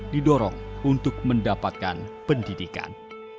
didorong untuk mendapatkan pendidikan